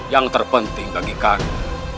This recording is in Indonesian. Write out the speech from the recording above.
yang terpenting bagi kakanda